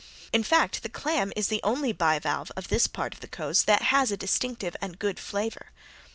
In fact the clam is the only bivalve of this part of the coast that has a distinctive and good flavor.